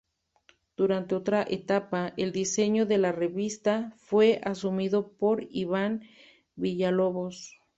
Durante otra etapa, el diseño de la revista fue asumido por Iván Villalobos.